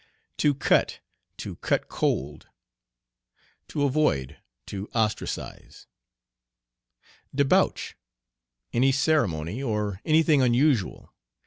"To cut," "To cut cold." To avoid, to ostracize. "Debauch." Any ceremony or any thing unusual.